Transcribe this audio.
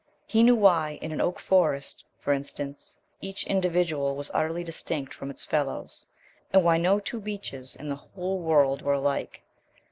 He knew why in an oak forest, for instance, each individual was utterly distinct from its fellows, and why no two beeches in the whole world were alike.